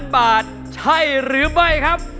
๐บาทใช่หรือไม่ครับ